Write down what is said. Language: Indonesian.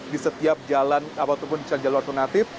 di setiap jalan apapun jalan jalan alternatif